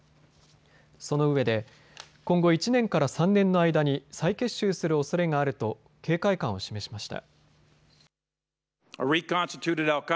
そのうえで今後１年から３年の間に再結集するおそれがあると警戒感を示しました。